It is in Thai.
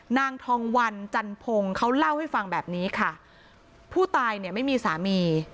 นางทองวันจันพงศ์เขาเล่าให้ฟังแบบนี้ค่ะผู้ตายเนี่ยไม่มีสามี